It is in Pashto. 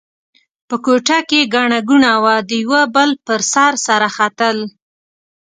په کوټه کې ګڼه ګوڼه وه؛ د یوه بل پر سر سره ختل.